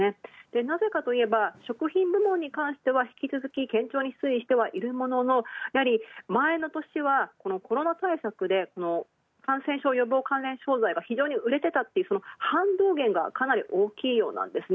なぜかといえば食品部門に関しては引き続き顕著に推移視しているもののやはり前の年は、コロナ対策で感染症予防が非常に売れていたという反動減がかなり大きいですね。